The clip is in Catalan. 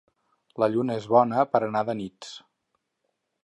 La lluna és bona per a anar de nits.